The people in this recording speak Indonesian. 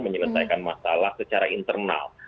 menyelesaikan masalah secara internal